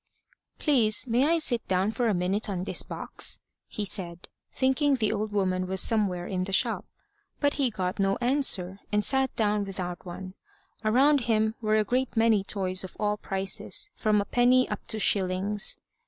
"Please may I sit down for a minute on this box?" he said, thinking the old woman was somewhere in the shop. But he got no answer, and sat down without one. Around him were a great many toys of all prices, from a penny up to shillings.